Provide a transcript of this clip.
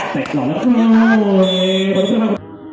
ไปไม่มาเลยอ่ะ